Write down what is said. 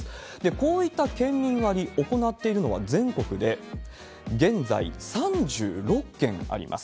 こういった県民割、行っているのは、全国で現在３６件あります。